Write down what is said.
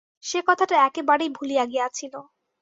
সে কথাটা একেবারেই ভুলিয়া গিয়াছিল।